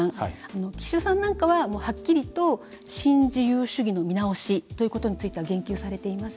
岸田さんなんかははっきりと新自由主義の見直しということについては言及されていますよね。